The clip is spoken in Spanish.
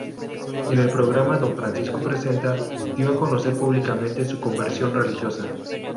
En el programa "Don Francisco presenta" dio a conocer públicamente su conversión religiosa.